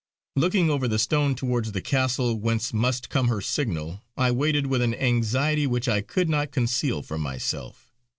Looking over the stone towards the castle whence must come her signal I waited with an anxiety which I could not conceal from myself.